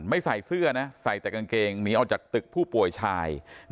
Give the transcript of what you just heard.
ใส่เสื้อนะใส่แต่กางเกงหนีออกจากตึกผู้ป่วยชาย